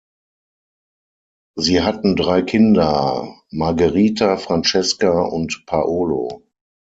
Sie hatten drei Kinder: Margherita, Francesca und Paolo.